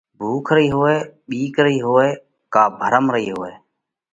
ڀُوک رئِي هوئہ، ٻِيڪ رئِي هوئہ ڪا ڀرم رئِي هوئہ۔